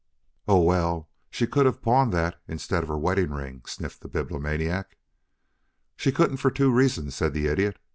"Oh, well, she could have pawned that instead of her wedding ring," sniffed the Bibliomaniac. "She couldn't for two reasons," said the Idiot.